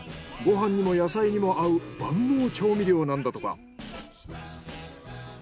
ご飯にも野菜にも合う万能調味料なんだとか。